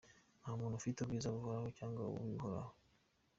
Nta muntu ufite ubwiza buhoraho cyangwa ububi buhoraho.